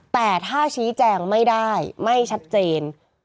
แต่ถ้าชี้แจงไม่ได้ไม่ชัดเจน